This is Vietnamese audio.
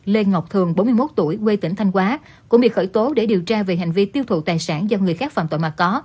lê ngọc thường bốn mươi một tuổi quê tỉnh thanh hóa cũng bị khởi tố để điều tra về hành vi tiêu thụ tài sản do người khác phạm tội mà có